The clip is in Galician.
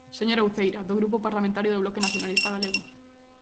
Señora Uceira, do Grupo Parlamentario do Bloque Nacionalista Galego.